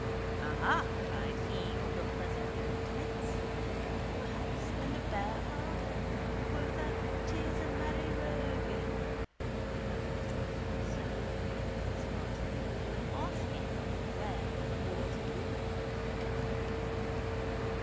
—Aha! cried he of the pleasant countenance. A poor house and a bare larder, quotha! 'Tis a merry rogue. So in comes Martin asking where was Bloom.